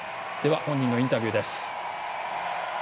本人のインタビューです。